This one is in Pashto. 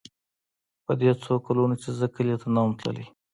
په دې څو کلونو چې زه کلي ته نه وم تللى.